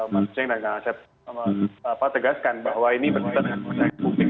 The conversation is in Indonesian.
maksudnya yang saya tegaskan bahwa ini berkaitan dengan perusahaan publik